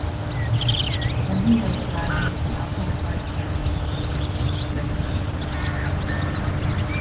From here, the ride makes an up-hand right turn into the mid-course brake run.